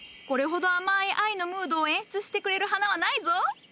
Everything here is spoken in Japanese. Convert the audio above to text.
これほど甘い愛のムードを演出してくれる花はないぞ！